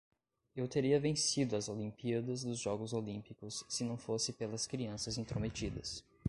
Eu teria vencido as Olimpíadas dos Jogos Olímpicos se não fosse pelas crianças intrometidas.